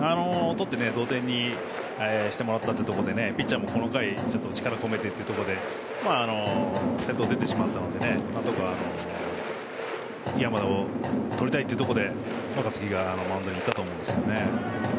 同点にしてもらったというところでピッチャーもこの回力を込めてというところで先頭出てしまったので山田をとりたいというところで若月がマウンドに行ったと思いますね。